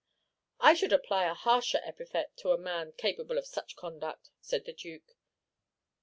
"I should apply a harsher epithet to a man capable of such conduct," said the Duke.